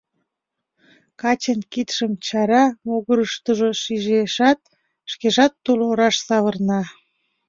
Качын кидшым чара могырыштыжо шижешат, шкежат тул ораш савырна.